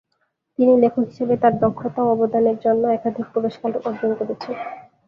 তিনি লেখক হিসেবে তার দক্ষতা ও অবদানের জন্য একাধিক পুরস্কার অর্জন করেছেন।